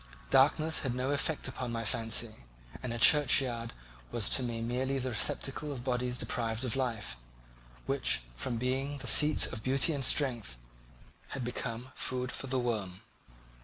Darkness had no effect upon my fancy, and a churchyard was to me merely the receptacle of bodies deprived of life, which, from being the seat of beauty and strength, had become food for the worm.